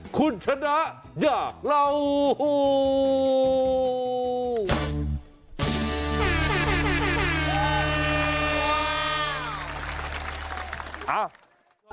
คุณชนะยาเหล่า